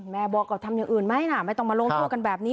แม่บอกก็ทำอย่างอื่นไหมนะไม่ต้องมาลงโทษกันแบบนี้